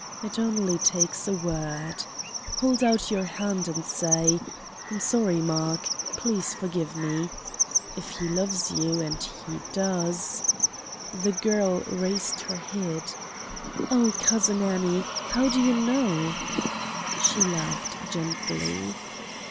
It only takes a word. Hold out your hand and say: 'I'm sorry, Mark please forgive me.' If he loves you and he does " The girl raised her head: "Oh! Cousin Annie! How do you know?" She laughed gently.